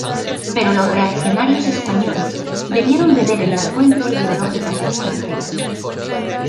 Pero los reaccionarios españoles debieron beber en las fuentes ideológicas extranjeras.